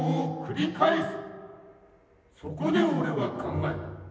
そこで俺は考えた。